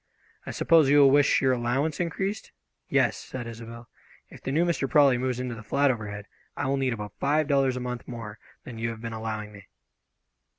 "I suppose you will wish your allowance increased?" "Yes," said Isobel, "if the new Mr. Prawley moves into the flat overhead, I will need about five dollars a month more than you have been allowing me."